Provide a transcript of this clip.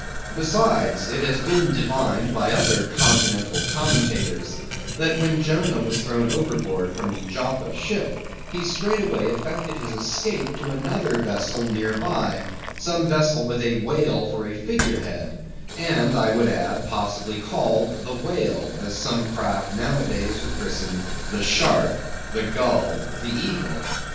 Besides, it has been divined by other continental commentators, that when Jonah was thrown overboard from the Joppa ship, he straightway effected his escape to another vessel near by, some vessel with a whale for a figure head; and, I would add, possibly called "The Whale," as some craft are nowadays christened the "Shark," the "Gull," the "Eagle."